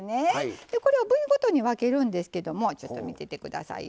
でこれを部位ごとに分けるんですけどもちょっと見ててくださいよ。